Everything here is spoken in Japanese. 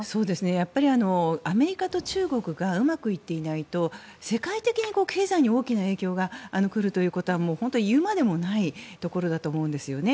やっぱりアメリカと中国がうまくいっていないと世界的に経済に大きな影響が来るということはもう本当に言うまでもないところだと思うんですね。